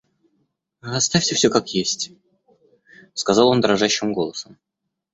Оставьте всё как есть, — сказал он дрожащим голосом.